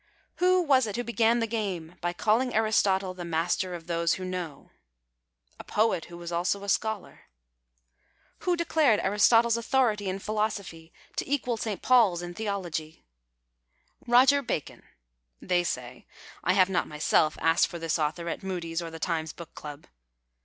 Who was it who began the game by calling Aristotle " the master of those who know "? A poet who was also a scholar. Who 187 PASTICHE AND PREJUDICE (Jeclarccl Aristotle's authority in philosophy to equal St. Paul's in theology ? Roger Bacon (they say ; I have not myself asked for this author at Mudie's or The Times Book Club).